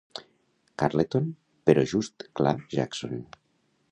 Carleton, però just clar Jackson.